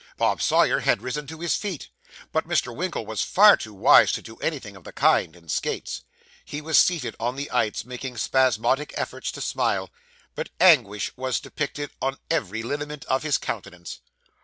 Bob Sawyer had risen to his feet, but Mr. Winkle was far too wise to do anything of the kind, in skates. He was seated on the ice, making spasmodic efforts to smile; but anguish was depicted on every lineament of his countenance.